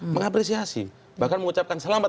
mengapresiasi bahkan mengucapkan selamat